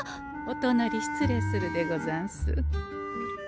おとなり失礼するでござんす。